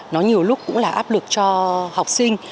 nó nhiều lúc cũng là áp lực cho học sinh